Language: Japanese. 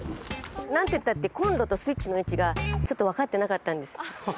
なんてったってコンロとスイッチの位置がちょっと分かってなかっ